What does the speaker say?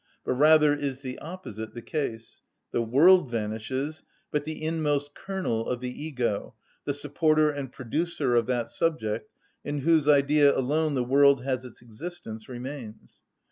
But rather is the opposite the case; the world vanishes, but the inmost kernel of the ego, the supporter and producer of that subject, in whose idea alone the world has its existence, remains.